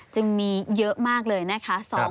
จึงมีเยอะมากเลยนะคะ